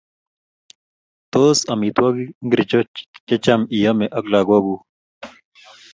Tos amitwiki ngircho che cham iyome ak lakok kuk?